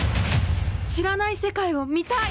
知らない世界を見たい！